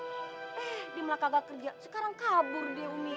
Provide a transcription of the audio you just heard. eh dia malah kagak kerja sekarang kabur dia umi